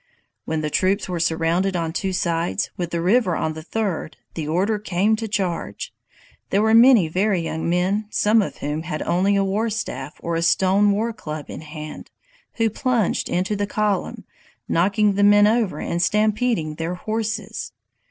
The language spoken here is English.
"When the troops were surrounded on two sides, with the river on the third, the order came to charge! There were many very young men, some of whom had only a war staff or a stone war club in hand, who plunged into the column, knocking the men over and stampeding their horses.